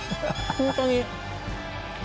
本当に。